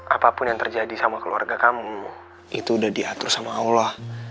apapun yang terjadi sama keluarga kamu itu udah diatur sama allah